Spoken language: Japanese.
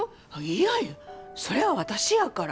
いやいやそれは私やから。